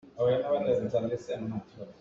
Amah cu zeizong ah a hmasa bik lengmang a si.